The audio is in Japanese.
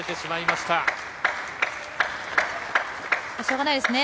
しょうがないですね。